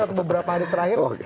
atau beberapa hari terakhir